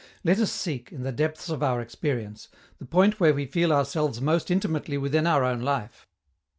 Let us seek, in the depths of our experience, the point where we feel ourselves most intimately within our own life.